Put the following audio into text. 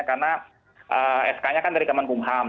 karena sk nya kan dari kemenkumham